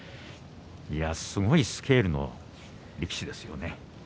すごいスケールの力士ですよね。